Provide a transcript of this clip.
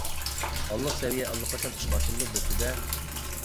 ھاللىق سەۋىيە ئاللىقاچان ئىشقا ئاشۇرۇلۇپ بوپتۇ-دە.